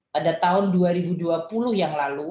pada tahun dua ribu dua puluh yang lalu